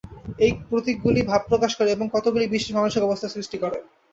এই প্রতীকগুলি ভাব প্রকাশ করে এবং কতকগুলি বিশেষ মানসিক অবস্থার সৃষ্টি করে।